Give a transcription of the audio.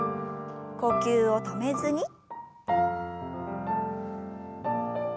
呼吸を止めずに。